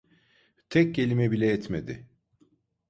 Tek kelime bile etmedi.